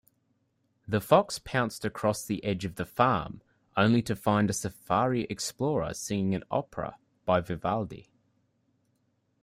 The fox pounced across the edge of the farm, only to find a safari explorer singing an opera by Vivaldi.